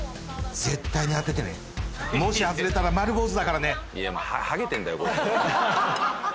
絶対に当ててねもし外れたら丸坊主だからね